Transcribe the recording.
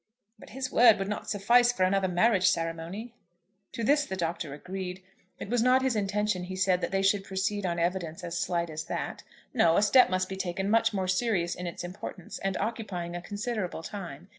"But his word would not suffice for another marriage ceremony." To this the Doctor agreed. It was not his intention, he said, that they should proceed on evidence as slight as that. No; a step must be taken much more serious in its importance, and occupying a considerable time.